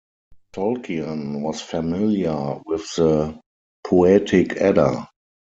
Tolkien was familiar with the "Poetic Edda".